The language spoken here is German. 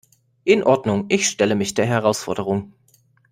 In Ordnung, ich stelle mich der Herausforderung.